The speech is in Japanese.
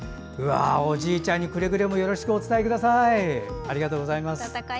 おじいちゃんにくれぐれもよろしくお伝えください。